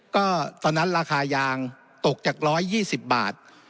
ก็ตอนนั้นราคายางตกจาก๑๒๐บาท